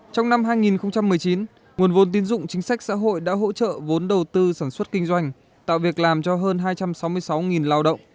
trong năm hai nghìn một mươi chín nguồn vốn tín dụng chính sách xã hội đã hỗ trợ vốn đầu tư sản xuất kinh doanh tạo việc làm cho hơn hai trăm sáu mươi sáu lao động